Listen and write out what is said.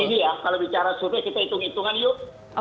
ini ya kalau bicara survei kita hitung hitungan yuk